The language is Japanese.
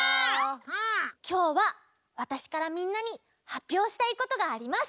きょうはわたしからみんなにはっぴょうしたいことがあります！